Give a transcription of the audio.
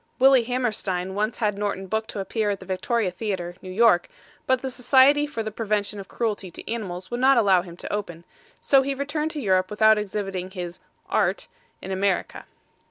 Willie Hammerstein once had Norton booked to appear at the Victoria Theater, New York, but the Society for the Prevention of Cruelty to Animals would not allow him to open; so he returned to Europe without exhibiting his art (?) in America.